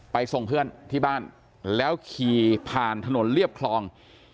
ส่งเพื่อนที่บ้านแล้วขี่ผ่านถนนเรียบคลอง